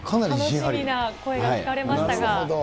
楽しみな声が聞かれましたが。